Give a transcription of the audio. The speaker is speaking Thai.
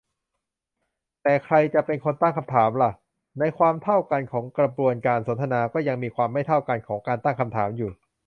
แต่ใครจะเป็นคนตั้งคำถามล่ะ ? ในความเท่ากันของกระบวนการสนทนา ก็ยังมีความไม่เท่ากันของการตั้งคำถามอยู่